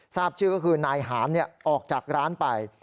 ทราบชื่อก็คือนายหานออกจากร้านไป